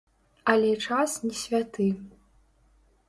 Але час не святы.